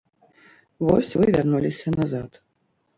Вось вы вярнуліся назад.